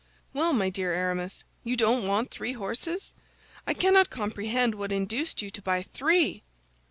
"Well, my dear Aramis, you don't want three horses? I cannot comprehend what induced you to buy three!"